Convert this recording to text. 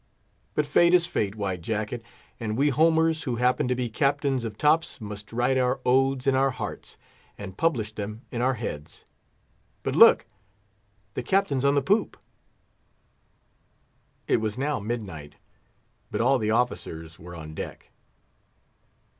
But Fate is Fate, White Jacket; and we Homers who happen to be captains of tops must write our odes in our hearts, and publish them in our heads. But look! the Captain's on the poop." It was now midnight; but all the officers were on deck.